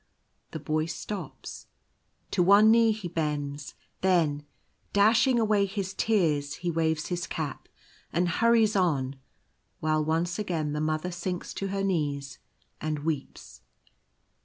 The Boy stops ; to one knee he bends, then, dashing away his tears, he waves his cap, and hurries on, while once again the Mother sinks to her knees, and weeps.